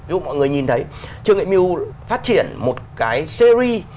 ví dụ mọi người nhìn thấy trương nghệ meal phát triển một cái series